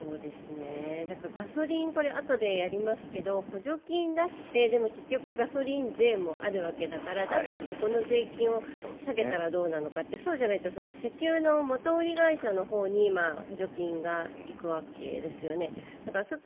だからガソリンあとでやりますが補助金出してでも結局ガソリン税もあるわけだからだったらそこの税金を下げたらどうなのかそうじゃないと石油の元売り会社に今、補助金が行くわけですよね。